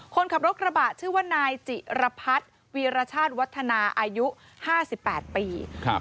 คนขับรถกระบะชื่อว่านายจิระพัดวีรชาติวัฒนาอายุห้าสิบแปดปีครับ